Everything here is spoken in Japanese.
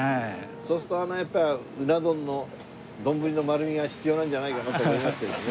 そうするとやっぱうな丼の丼の丸みが必要なんじゃないかなと思いましてですね。